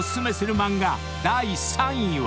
漫画第３位は］